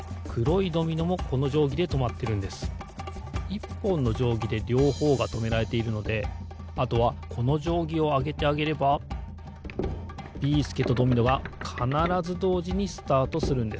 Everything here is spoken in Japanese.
１ぽんのじょうぎでりょうほうがとめられているのであとはこのじょうぎをあげてあげればビーすけとドミノがかならずどうじにスタートするんです。